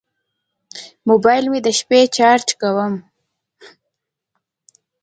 موبایل مې د شپې چارج کوم.